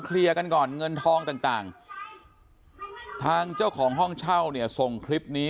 กันก่อนเงินทองต่างทางเจ้าของห้องเช่าเนี่ยส่งคลิปนี้